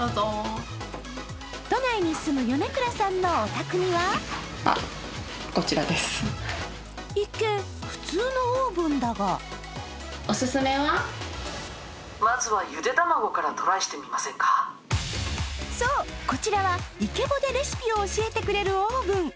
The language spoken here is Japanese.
都内に住む米倉さんのお宅には一見普通のオーブンだがそう、こちらはイケボでレシピを教えてくれるオーブン。